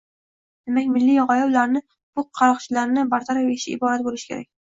Demak, milliy g‘oya ularni – bu qaroqchilarni bartaraf etishdan iborat bo‘lishi kerak.